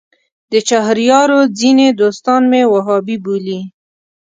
د چهاریارو ځینې دوستان مې وهابي بولي.